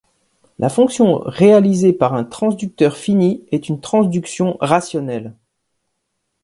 La fonction réalisée par un transducteur fini est une transduction rationnelle.